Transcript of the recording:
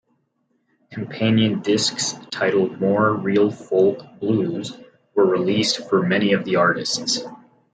Companion discs, titled More Real Folk Blues, were released for many of the artists.